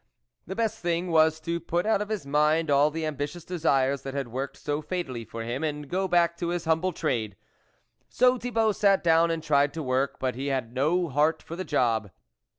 The best thing was to put out of his mind all the ambitious desires that had worked so fatally for him, and go back to his humble trade/ So Thibault sat down and tried to work, but he had no heart for the job.